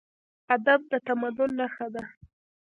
ادب د تمدن نښه ده.